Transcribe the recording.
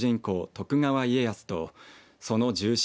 徳川家康とその重臣